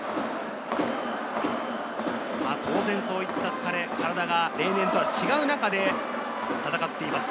当然そういった疲れ、体が、例年とは違う中で、戦っています。